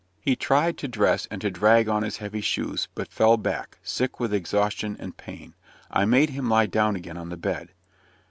He tried to dress, and to drag on his heavy shoes; but fell back, sick with exhaustion and pain. I made him lie down again on the bed.